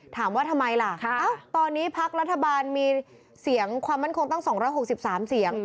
ถามว่าทำไมล่ะตอนนี้พักรัฐบาลมีเสียงความมั่นคงตั้ง๒๖๓เสียง